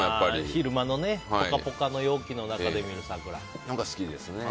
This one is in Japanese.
昼間のポカポカ陽気で見る桜ね。